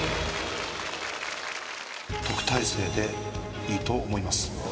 特待生でいいと思います。